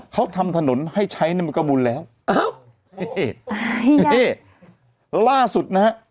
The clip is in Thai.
เขาทำถนนให้ใช้เนี่ยมันก็บุญแล้วอ้าวนี่นี่ล่าสุดนะฮะ